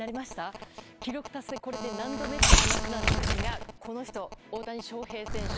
記録達成、これで何度目という話ですがこの人、大谷翔平選手。